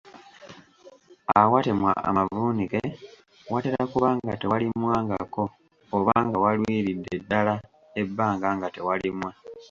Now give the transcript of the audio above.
Awatemwa amavuunike watera kuba nga tewalimwangako oba nga walwiridde ddala ebbanga nga tewalimwa.